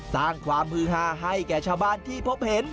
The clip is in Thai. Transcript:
สร้างความฮือฮาให้แก่ชาวบ้านที่พบเห็น